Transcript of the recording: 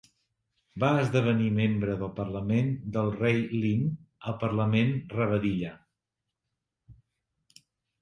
Va esdevenir Membre del parlament del Rei Lynn al Parlament Rabadilla.